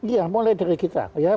iya mulai dari diri kita